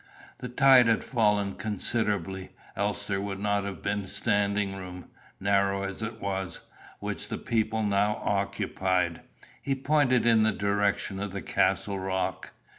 The tide had fallen considerably, else there would not have been standing room, narrow as it was, which the people now occupied. He pointed in the direction of the Castle rock.